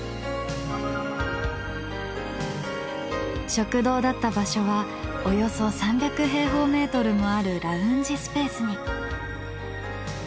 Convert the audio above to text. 食堂だった場所はおよそ３００平方メートルもあるラウンジスペースに。